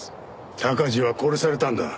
鷹児は殺されたんだ。